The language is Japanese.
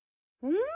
うん。